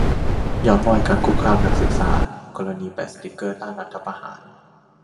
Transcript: ย้อนรอยการคุกคามนักศึกษา กรณีแปะสติ๊กเกอร์ต้านรัฐประหาร